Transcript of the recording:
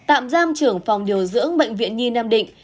tạm giam trưởng phòng điều dưỡng bệnh viện nhi nam định